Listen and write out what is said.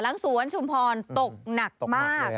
หลังสวนชุมพรตกหนักมาก